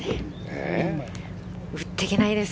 打っていけないです。